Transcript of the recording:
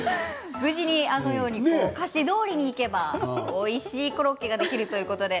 無事にあのように歌詞どおりにいけばおいしいコロッケができるということで。